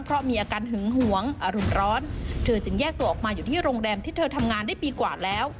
เพราะมีอาการหึงหวงอรุณร้อนเธอจึงแยกตัวออกมาอยู่ที่โรงแรมที่เธอทำงานได้ปีกว่าแล้ว